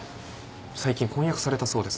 最近婚約されたそうですね。